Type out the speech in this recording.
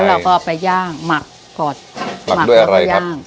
แล้วเราก็เอาไปย่างหมักก่อนหมักด้วยอะไรครับหมักแล้วก็ย่าง